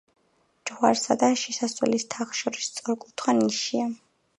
ჯვარსა და შესასვლელის თაღს შორის სწორკუთხა ნიშია.